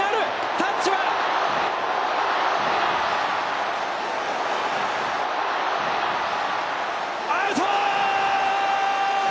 タッチはアウト！